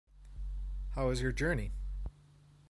How was your journey?